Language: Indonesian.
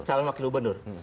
calon wakil gubernur